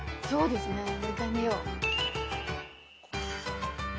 そうですね。